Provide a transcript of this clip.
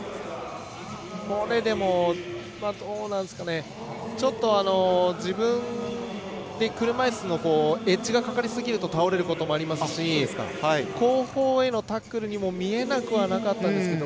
これでちょっと自分で車いすのエッジがかかりすぎると倒れることもありますし後方へのタックルにも見えなくはなかったんですけど。